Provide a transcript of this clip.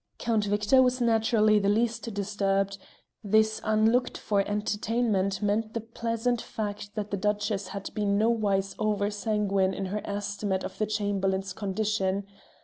Count Victor was naturally the least disturbed; this unlooked for entertainment meant the pleasant fact that the Duchess had been nowise over sanguine in her estimate of the Chamberlain's condition.